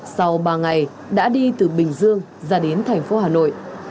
sau ba ngày đã đi từ bình dương ra đến thành phố hà nội